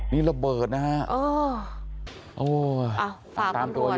นี่ระเบิดนะฮะ